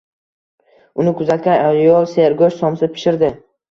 Uni kuzatgan ayol sergoʻsht somsa pishirdi.